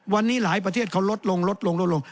วันนี้หลายประเทศเขาลดลงลดลงลดลง